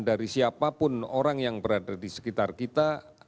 dari siapapun orang yang berada di sekitar kita